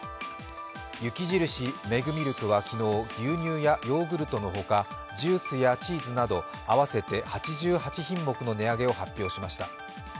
雪印メグミルクは昨日、牛乳やヨーグルトの他ジュースやチーズなど合わせて８８品目の値上げを発表しました。